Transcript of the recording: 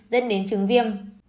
dẫn đến chứng viêm